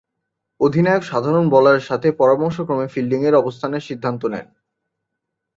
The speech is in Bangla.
অধিনায়ক সাধারণত বোলারের সাথে পরামর্শক্রমে ফিল্ডিং এর অবস্থানের সিদ্ধান্ত নেন।